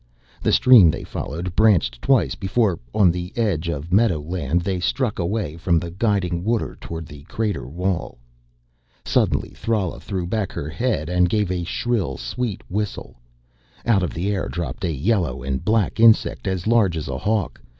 The stream they followed branched twice before, on the edge of meadow land, they struck away from the guiding water toward the crater wall. Suddenly Thrala threw back her head and gave a shrill, sweet whistle. Out of the air dropped a yellow and black insect, as large as a hawk.